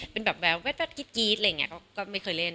เป็นแบบแววกรี๊ดอะไรอย่างนี้ก็ไม่เคยเล่น